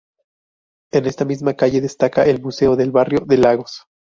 En esta misma calle destaca el Museo del Barrio de Lagos.